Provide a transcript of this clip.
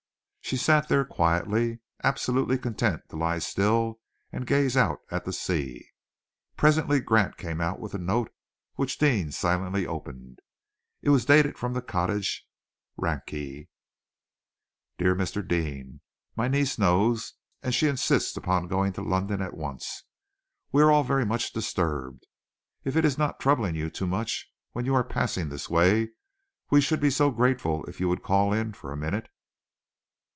She sat there quietly, absolutely content to lie still and gaze out at the sea. Presently Grant came out with a note, which Deane silently opened. It was dated from The Cottage, Rakney. DEAR MR. DEANE, My niece knows, and she insists upon going to London at once. We are all very much disturbed. If it is not troubling you too much when you are passing this way, we should be so grateful if you would call in for a minute.